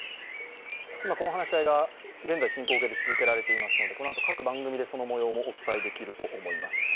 今、この話し合いが現在進行形で続けられていますので、このあと各番組でその模様もお伝えできると思います。